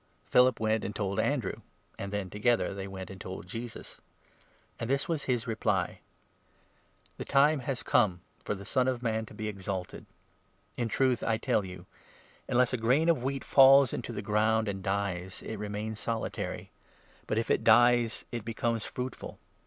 Philip went and told Andrew, and then together they went 22 and told Jesus. This was his reply — 23 "The time has come for the Son of Man to be exalted. In 24 truth 1 tell you, unless a grain of wheat falls into the ground and dies, it remains solitary ; but, if it dies, it becomes fruitful.